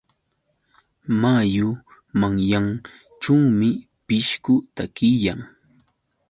Mayu manyanćhuumi pishqu takiyan.